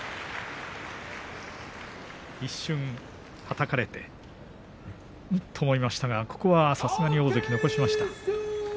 一瞬はたかれてん？と思いましたがさすがに大関残しました。